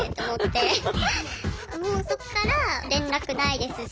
もうそっから連絡ないですし。